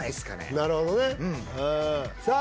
なるほどねさあ